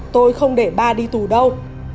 tôi không để ba đi tù đâu